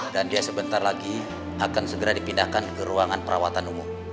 dia sebentar lagi akan segera dipindahkan ke ruangan perawatan umum